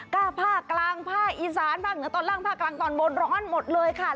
ก็ภาคกลางภาคอีสานภาคเหนือตอนล่างภาคกลางตอนบนร้อนหมดเลยค่ะ